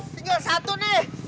tinggal satu nih